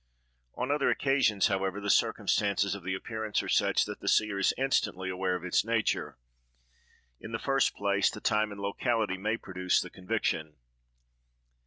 On other occasions, however, the circumstances of the appearance are such that the seer is instantly aware of its nature. In the first place, the time and locality may produce the conviction.